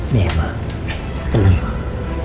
nih emang tenang